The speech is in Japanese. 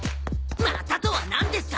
「また」とはなんですか！？